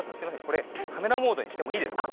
これカメラモードにしてもいいですか？